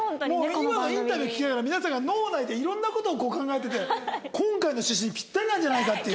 今のインタビュー聞きながら皆さんが脳内でいろんなことを考えてて今回の趣旨にピッタリなんじゃないかっていう。